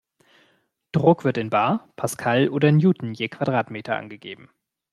Druck wird in bar, Pascal oder Newton je Quadratmeter angegeben.